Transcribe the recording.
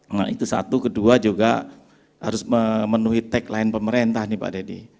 nah itu satu kedua juga harus memenuhi tagline pemerintah nih pak dedy